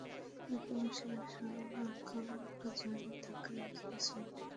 এলাকাবাসীর আশঙ্কা, জোয়ারের ধাক্কায় অন্তত ছয়টি নাজুক অংশে বাঁধ ভেঙে যাবে।